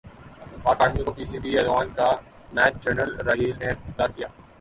پاک ارمی اور P C B eleven کا میچ جنرل راحیل نے افتتاح کیا